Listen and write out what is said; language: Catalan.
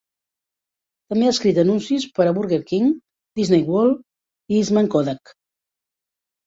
També ha escrit anuncis per a Burger King, Disney World i Eastman Kodak.